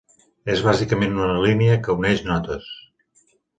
És bàsicament una línia que uneix notes.